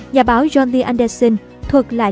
nhà báo john lee anderson thuộc lại